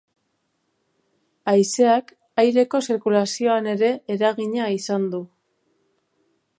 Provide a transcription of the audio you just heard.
Haizeak aireko zirkulazioan ere eragina izan du.